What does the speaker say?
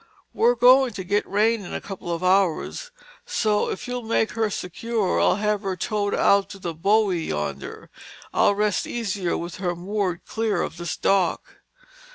"We're going to get rain in a couple of hours, so if you'll make her secure, I'll have her towed out to that buoy yonder. I'll rest easier with her moored clear of this dock."